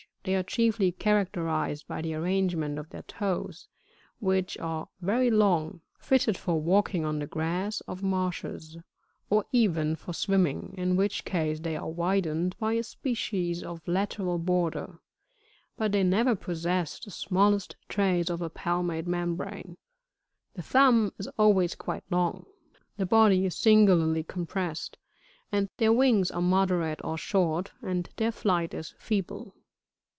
They are chiefly characterised by the arrangement of their toes, w!iich are very long, fitted for walking on the graFs of marshes ; or even for swimming, in which case they are widened by a species of lateral border, {Flute 7, fig, 9.) but they never possess the smallest trace of a palmate membrane; the thumb is always quite long 4 the body is singularly compressed ; and their wings are moderate or short, and their flight is feeble.